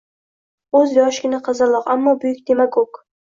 O‘zi yoshgina qizaloq, ammo buyuk demagog.